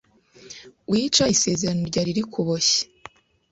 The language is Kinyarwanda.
wica isezerano ryari rikuboshye